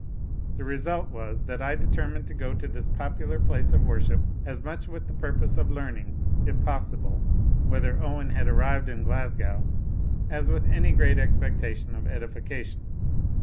The result was, that I determined to go to this popular place of worship, as much with the purpose of learning, if possible, whether Owen had arrived in Glasgow, as with any great expectation of edification.